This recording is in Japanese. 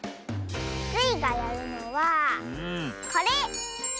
スイがやるのはこれ！